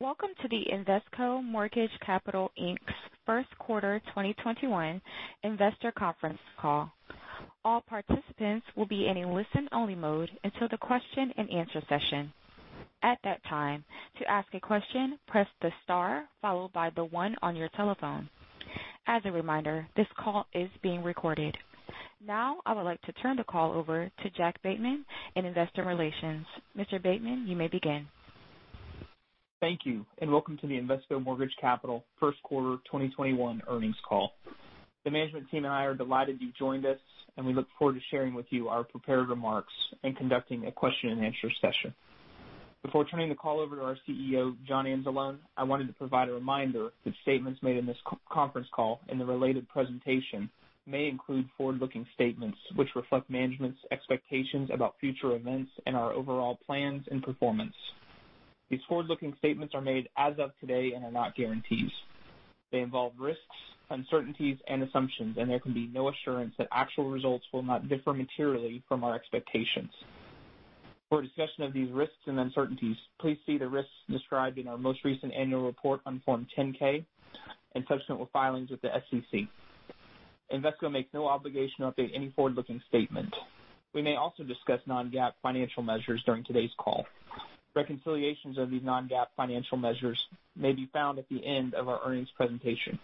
Welcome to the Invesco Mortgage Capital Inc.'s first quarter 2021 investor conference call. All participants will be in a listen-only mode until the question and answer session. At that time to ask a question, press the star followed by the one. As a reminder on your telephone, as a reminder this call is being recorded. Now, I would like to turn the call over to Jack Bateman in investor relations. Mr. Bateman, you may begin. Thank you, and welcome to the Invesco Mortgage Capital first quarter 2021 earnings call. The management team and I are delighted you joined us, and we look forward to sharing with you our prepared remarks and conducting a question and answer session. Before turning the call over to our CEO, John Anzalone, I wanted to provide a reminder that statements made in this conference call and the related presentation may include forward-looking statements which reflect management's expectations about future events and our overall plans and performance. These forward-looking statements are made as of today and are not guarantees. They involve risks, uncertainties, and assumptions, and there can be no assurance that actual results will not differ materially from our expectations. For a discussion of these risks and uncertainties, please see the risks described in our most recent annual report on Form 10-K, and subsequent filings with the SEC. Invesco Mortgage Capital makes no obligation to update any forward-looking statement. We may also discuss non-GAAP financial measures during today's call. Reconciliations of these non-GAAP financial measures may be found at the end of our earnings presentation.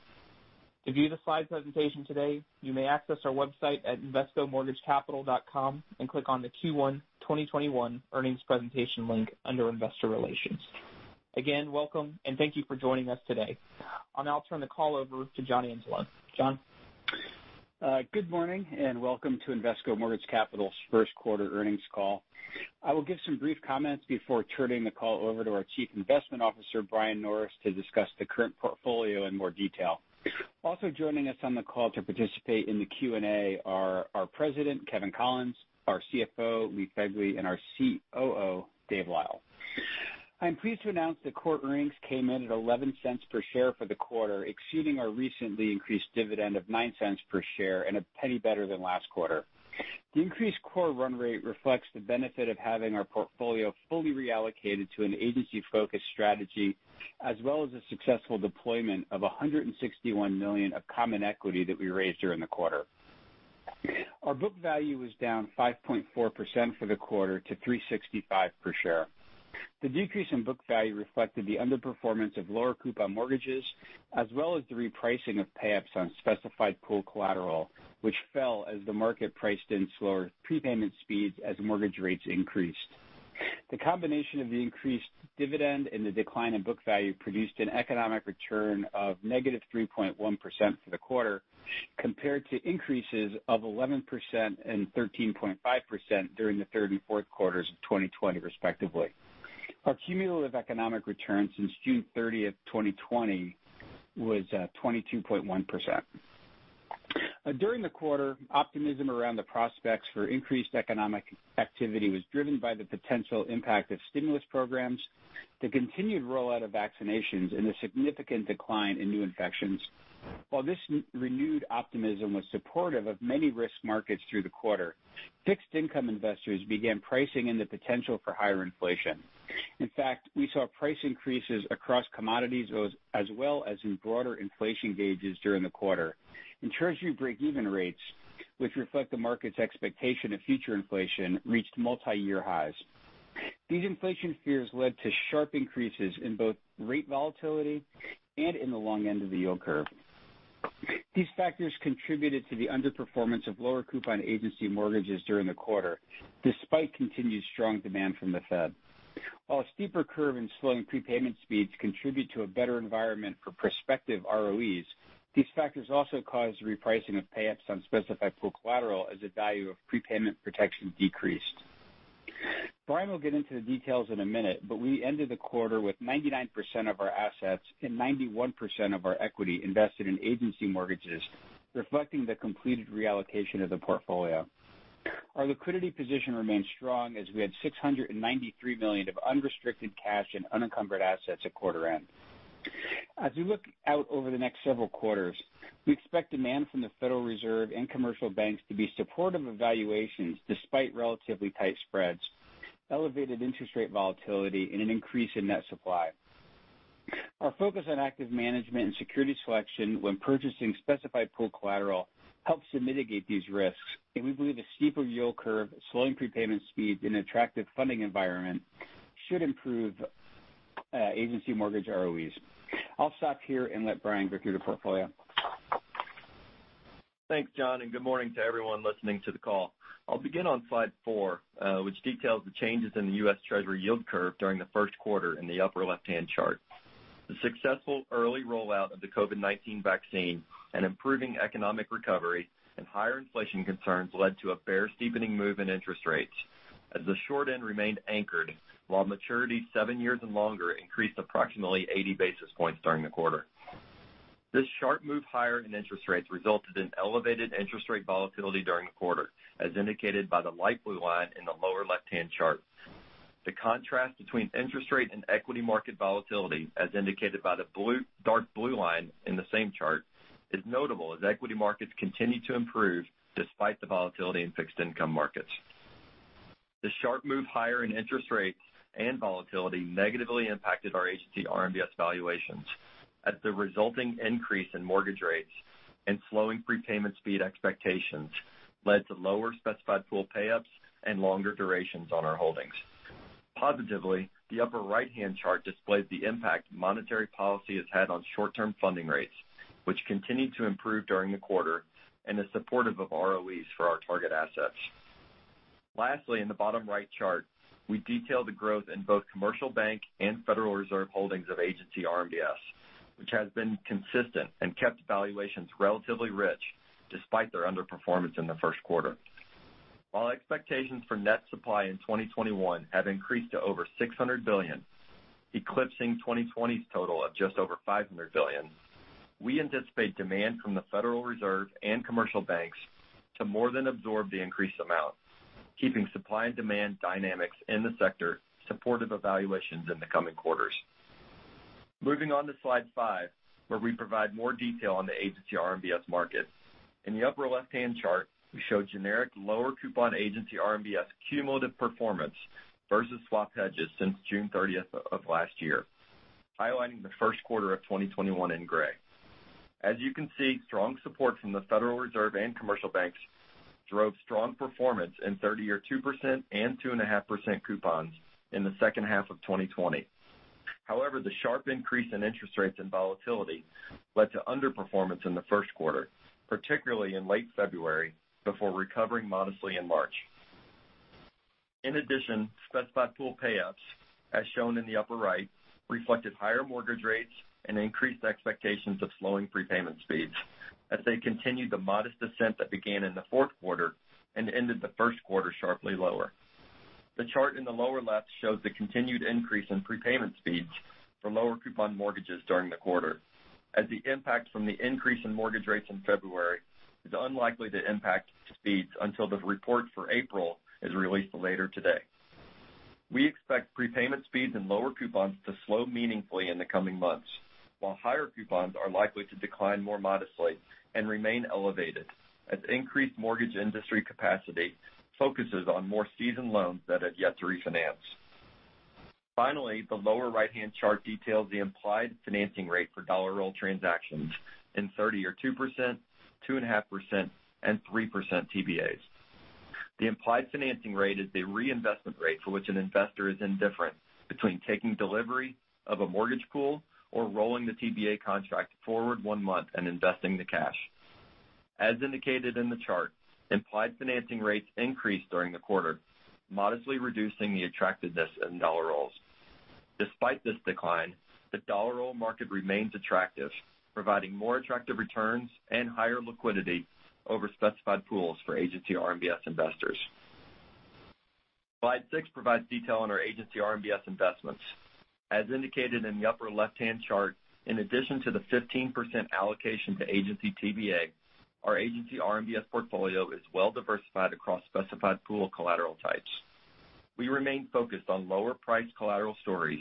To view the slide presentation today, you may access our website at invescomortgagecapital.com and click on the Q1 2021 earnings presentation link under Investor Relations. Again, welcome, and thank you for joining us today. I'll now turn the call over to John Anzalone. John? Good morning. Welcome to Invesco Mortgage Capital's first quarter earnings call. I will give some brief comments before turning the call over to our Chief Investment Officer, Brian Norris, to discuss the current portfolio in more detail. Also joining us on the call to participate in the Q&A are our President, Kevin Collins, our CFO, Lee Begley, and our COO, David Lyle. I'm pleased to announce that core earnings came in at $0.11 per share for the quarter, exceeding our recently increased dividend of $0.09 per share and $0.01 better than last quarter. The increased core run rate reflects the benefit of having our portfolio fully reallocated to an agency-focused strategy as well as the successful deployment of $161 million of common equity that we raised during the quarter. Our book value was down 5.4% for the quarter to $365 per share. The decrease in book value reflected the underperformance of lower coupon mortgages as well as the repricing of payups on specified pool collateral, which fell as the market priced in slower prepayment speeds as mortgage rates increased. The combination of the increased dividend and the decline in book value produced an economic return of -3.1% for the quarter compared to increases of 11% and 13.5% during the third and fourth quarters of 2020 respectively. Our cumulative economic return since June 30th, 2020 was at 22.1%. During the quarter, optimism around the prospects for increased economic activity was driven by the potential impact of stimulus programs, the continued rollout of vaccinations, and a significant decline in new infections. While this renewed optimism was supportive of many risk markets through the quarter, fixed income investors began pricing in the potential for higher inflation. In fact, we saw price increases across commodities as well as in broader inflation gauges during the quarter. Treasury breakeven rates, which reflect the market's expectation of future inflation, reached multiyear highs. These inflation fears led to sharp increases in both rate volatility and in the long end of the yield curve. These factors contributed to the underperformance of lower coupon agency mortgages during the quarter, despite continued strong demand from the Fed. While a steeper curve and slowing prepayment speeds contribute to a better environment for prospective ROEs, these factors also caused the repricing of payups on specified pool collateral as the value of prepayment protection decreased. Brian will get into the details in a minute, but we ended the quarter with 99% of our assets and 91% of our equity invested in agency mortgages, reflecting the completed reallocation of the portfolio. Our liquidity position remains strong as we had $693 million of unrestricted cash and unencumbered assets at quarter end. As we look out over the next several quarters, we expect demand from the Federal Reserve and commercial banks to be supportive of valuations despite relatively tight spreads, elevated interest rate volatility, and an increase in net supply. Our focus on active management and security selection when purchasing specified pool collateral helps to mitigate these risks, and we believe a steeper yield curve, slowing prepayment speed, and attractive funding environment should improve Agency mortgage ROEs. I'll stop here and let Brian go through the portfolio. Thanks, John, and good morning to everyone listening to the call. I'll begin on slide four, which details the changes in the U.S. Treasury yield curve during the first quarter in the upper left-hand chart. The successful early rollout of the COVID-19 vaccine and improving economic recovery and higher inflation concerns led to a bear steepening move in interest rates as the short end remained anchored while maturities seven years and longer increased approximately 80 basis points during the quarter. This sharp move higher in interest rates resulted in elevated interest rate volatility during the quarter, as indicated by the light blue line in the lower left-hand chart. The contrast between interest rate and equity market volatility, as indicated by the dark blue line in the same chart, is notable as equity markets continue to improve despite the volatility in fixed income markets. The sharp move higher in interest rates and volatility negatively impacted our Agency RMBS valuations as the resulting increase in mortgage rates and slowing prepayment speed expectations led to lower specified pool payups and longer durations on our holdings. Positively, the upper right-hand chart displays the impact monetary policy has had on short-term funding rates, which continued to improve during the quarter and is supportive of ROEs for our target assets. Lastly, in the bottom right chart, we detail the growth in both commercial bank and Federal Reserve holdings of Agency RMBS, which has been consistent and kept valuations relatively rich despite their underperformance in the first quarter. While expectations for net supply in 2021 have increased to over $600 billion, eclipsing 2020's total of just over $500 billion, we anticipate demand from the Federal Reserve and commercial banks to more than absorb the increased amount, keeping supply and demand dynamics in the sector supportive of valuations in the coming quarters. Moving on to slide five, where we provide more detail on the Agency RMBS market. In the upper left-hand chart, we show generic lower coupon Agency RMBS cumulative performance versus swap hedges since June 30th of last year, highlighting the first quarter of 2021 in gray. As you can see, strong support from the Federal Reserve and commercial banks drove strong performance in 30-year 2% and 2.5% coupons in the second half of 2020. However, the sharp increase in interest rates and volatility led to underperformance in the first quarter, particularly in late February, before recovering modestly in March. In addition, specified pool payups, as shown in the upper right, reflected higher mortgage rates and increased expectations of slowing prepayment speeds as they continued the modest descent that began in the fourth quarter and ended the first quarter sharply lower. The chart in the lower left shows the continued increase in prepayment speeds for lower coupon mortgages during the quarter, as the impact from the increase in mortgage rates in February is unlikely to impact speeds until the report for April is released later today. We expect prepayment speeds and lower coupons to slow meaningfully in the coming months, while higher coupons are likely to decline more modestly and remain elevated as increased mortgage industry capacity focuses on more seasoned loans that have yet to refinance. Finally, the lower right-hand chart details the implied financing rate for dollar roll transactions in 30-year or 2%, 2.5% and 3% TBAs. The implied financing rate is the reinvestment rate for which an investor is indifferent between taking delivery of a mortgage pool or rolling the TBA contract forward one month and investing the cash. As indicated in the chart, implied financing rates increased during the quarter, modestly reducing the attractiveness in dollar rolls. Despite this decline, the dollar roll market remains attractive, providing more attractive returns and higher liquidity over specified pools for Agency RMBS investors. Slide six provides detail on our Agency RMBS investments. As indicated in the upper left-hand chart, in addition to the 15% allocation to Agency TBA, our Agency RMBS portfolio is well diversified across specified pool collateral types. We remain focused on lower priced collateral stories,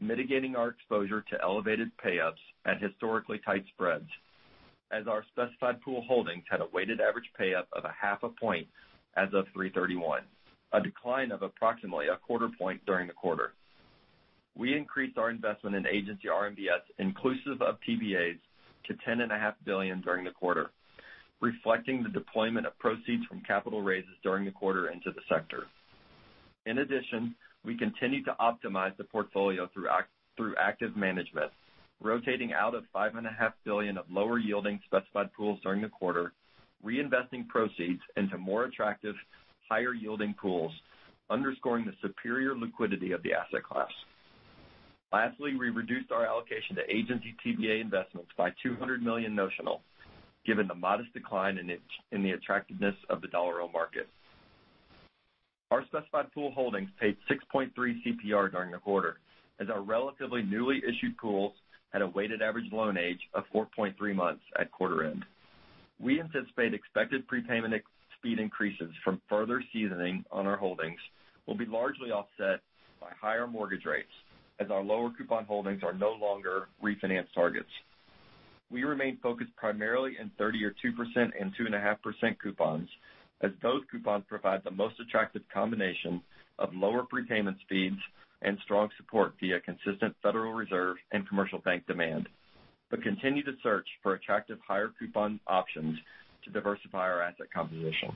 mitigating our exposure to elevated payups and historically tight spreads as our specified pool holdings had a weighted average payup of a half a point as of 3/31/2021, a decline of approximately a quarter point during the quarter. We increased our investment in Agency RMBS inclusive of TBAs to $10.5 billion during the quarter, reflecting the deployment of proceeds from capital raises during the quarter into the sector. In addition, we continued to optimize the portfolio through active management, rotating out of $5.5 billion of lower yielding specified pools during the quarter, reinvesting proceeds into more attractive, higher yielding pools, underscoring the superior liquidity of the asset class. Lastly, we reduced our allocation to agency TBA investments by $200 million notional, given the modest decline in the attractiveness of the dollar roll market. Our specified pool holdings paid 6.3 CPR during the quarter, as our relatively newly issued pools had a weighted average loan age of 4.3 months at quarter end. We anticipate expected prepayment speed increases from further seasoning on our holdings will be largely offset by higher mortgage rates as our lower coupon holdings are no longer refinance targets. We remain focused primarily in 30-year or 2% and 2.5% coupons, as those coupons provide the most attractive combination of lower prepayment speeds and strong support via consistent Federal Reserve and commercial bank demand, but continue to search for attractive higher coupon options to diversify our asset composition.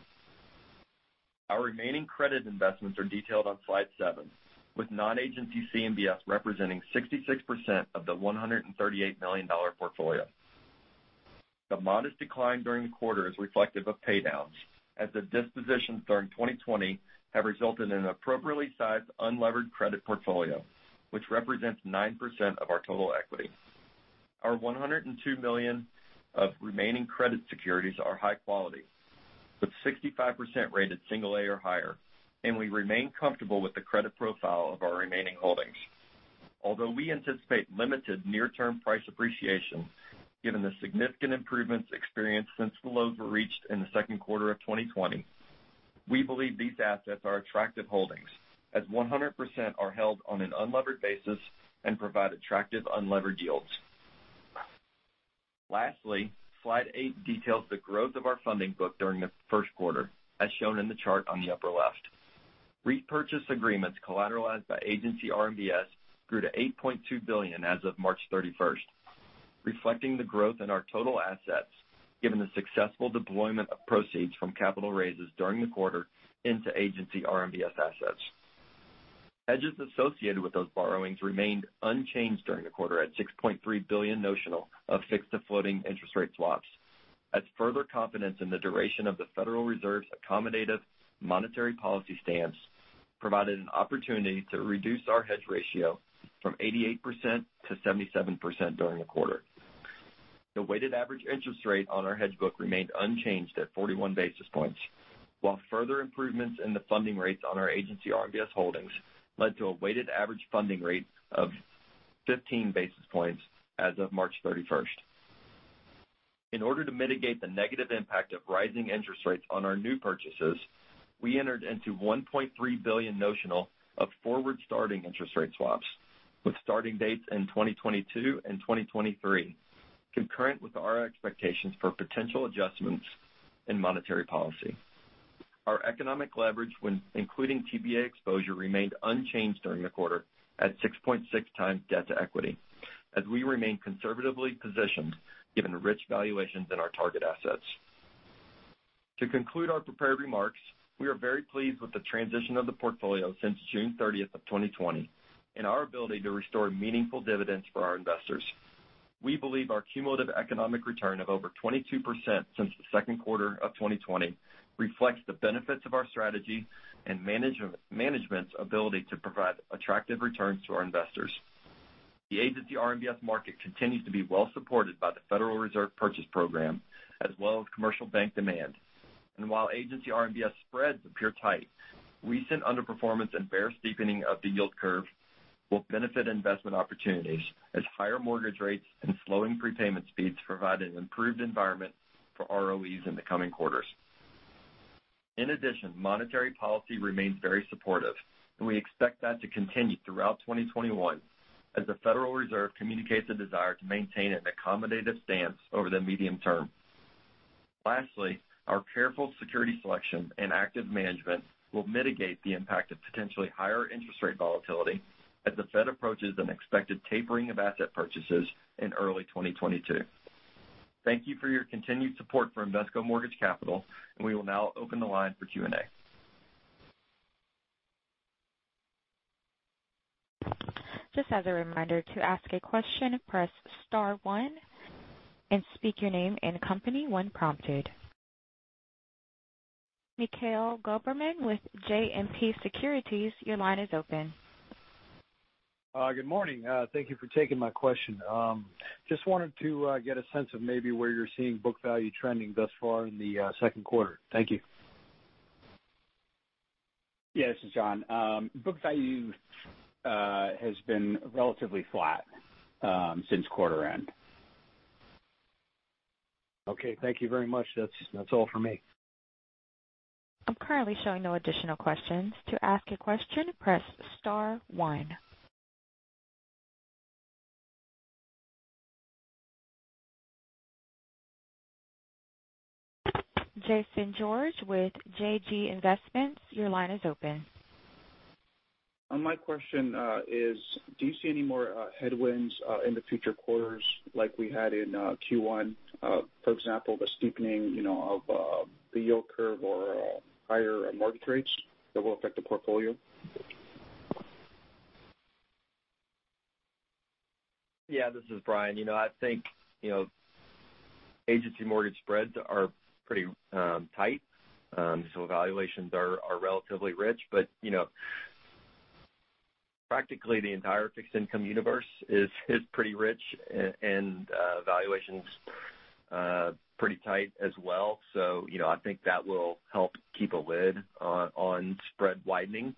Our remaining credit investments are detailed on slide seven, with non-agency CMBS representing 66% of the $138 million portfolio. The modest decline during the quarter is reflective of paydowns as the dispositions during 2020 have resulted in an appropriately sized unlevered credit portfolio, which represents 9% of our total equity. Our $102 million of remaining credit securities are high quality, with 65% rated single A or higher, and we remain comfortable with the credit profile of our remaining holdings. Although we anticipate limited near-term price appreciation, given the significant improvements experienced since lows were reached in the second quarter of 2020, we believe these assets are attractive holdings as 100% are held on an unlevered basis and provide attractive unlevered yields. Lastly, slide eight details the growth of our funding book during the first quarter, as shown in the chart on the upper left. Repurchase agreements collateralized by Agency RMBS grew to $8.2 billion as of March 31st, reflecting the growth in our total assets, given the successful deployment of proceeds from capital raises during the quarter into Agency RMBS assets. Hedges associated with those borrowings remained unchanged during the quarter at $6.3 billion notional of fixed-to-floating interest rate swaps as further confidence in the duration of the Federal Reserve's accommodative monetary policy stance provided an opportunity to reduce our hedge ratio from 88%-77% during the quarter. The weighted average interest rate on our hedge book remained unchanged at 41 basis points, while further improvements in the funding rates on our Agency RMBS holdings led to a weighted average funding rate of 15 basis points as of March 31st. In order to mitigate the negative impact of rising interest rates on our new purchases, we entered into $1.3 billion notional of forward-starting interest rate swaps, with starting dates in 2022 and 2023, concurrent with our expectations for potential adjustments in monetary policy. Our economic leverage when including TBA exposure remained unchanged during the quarter at 6.6x debt-to-equity, as we remain conservatively positioned given rich valuations in our target assets. To conclude our prepared remarks, we are very pleased with the transition of the portfolio since June 30th of 2020 and our ability to restore meaningful dividends for our investors. We believe our cumulative economic return of over 22% since the second quarter of 2020 reflects the benefits of our strategy and management's ability to provide attractive returns to our investors. The Agency RMBS market continues to be well supported by the Federal Reserve purchase program as well as commercial bank demand. While Agency RMBS spreads appear tight, recent underperformance and bear steepening of the yield curve will benefit investment opportunities as higher mortgage rates and slowing prepayment speeds provide an improved environment for ROE in the coming quarters. In addition, monetary policy remains very supportive, and we expect that to continue throughout 2021 as the Federal Reserve communicates a desire to maintain an accommodative stance over the medium term. Lastly, our careful security selection and active management will mitigate the impact of potentially higher interest rate volatility as the Fed approaches an expected tapering of asset purchases in early 2022. Thank you for your continued support for Invesco Mortgage Capital, and we will now open the line for Q&A. Just as a reminder, to ask a question, press star one and speak your name and company when prompted. Mikhail Goberman with JMP Securities, your line is open. Good morning. Thank you for taking my question. Just wanted to get a sense of maybe where you're seeing book value trending thus far in the second quarter. Thank you. Yeah, this is John. Book value has been relatively flat since quarter end. Okay. Thank you very much. That's all for me. I am currently seeing no additional questions. To ask press star one. Jason George with JG Investments, your line is open. My question is, do you see any more headwinds in the future quarters like we had in Q1? For example, the steepening of the yield curve or higher mortgage rates that will affect the portfolio? Yeah. This is Brian. I think Agency mortgage spreads are pretty tight. Valuations are relatively rich. Practically the entire fixed income universe is pretty rich and valuations pretty tight as well. I think that will help keep a lid on spread widening.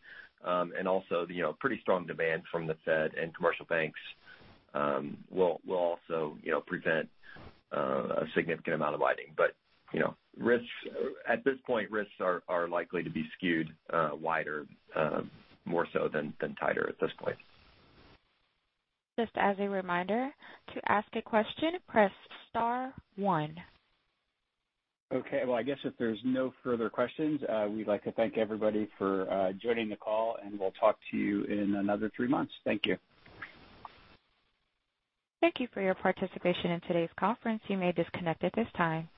Also the pretty strong demand from the Fed and commercial banks will also prevent a significant amount of widening. At this point, risks are likely to be skewed wider more so than tighter at this point. Just as a reminder, to ask a question, press star one. Okay. Well, I guess if there's no further questions, we'd like to thank everybody for joining the call, and we'll talk to you in another three months. Thank you. Thank you for your participation in today's conference. You may disconnect at this time.